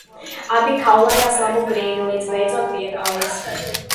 Abi kaulējas labu brīdi, līdz beidzot vienojas.